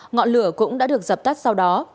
ngọn lửa cũng đã được dập tắt sau đó